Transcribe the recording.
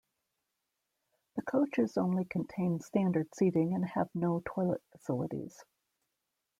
The coaches only contain standard seating and have no toilet facilities.